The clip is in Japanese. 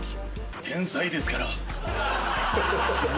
天才ですから。